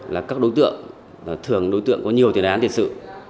là các đối tượng thường đối tượng có nhiều thiền án thiệt sự